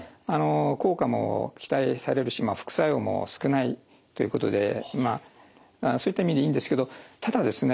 効果も期待されるし副作用も少ないということでまあそういった意味でいいんですけどただですね